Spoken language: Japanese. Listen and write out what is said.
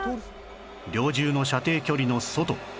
猟銃の射程距離の外